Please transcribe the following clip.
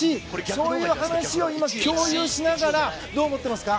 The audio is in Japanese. そういう思いを今、共有しながらどう思っていますか？